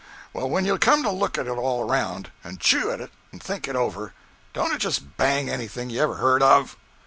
Well, when you come to look at it all around, and chew at it and think it over, don't it just bang anything you ever heard of?'